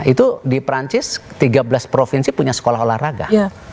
itu di perancis tiga belas provinsi punya sekolah olahraga